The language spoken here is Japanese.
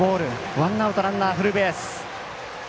ワンアウト、ランナーフルベース。